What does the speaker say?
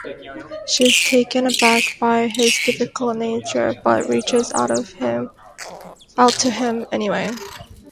She is taken aback by his difficult nature, but reaches out to him anyway.